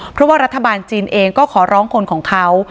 เพราะว่ารัฐบาลจีนเองก็ขอร้องคนของเขา